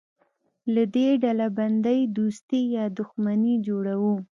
له دې ډلبندۍ دوستي یا دښمني جوړوو.